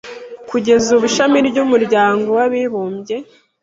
Kugeza ubu Ishami ry’Umuryango w’Abibumbye